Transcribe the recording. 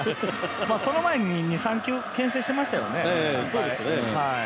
その前に２、３球けん制していましたよね、前。